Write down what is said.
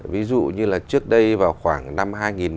ví dụ như là trước đây vào khoảng năm hai nghìn một mươi tám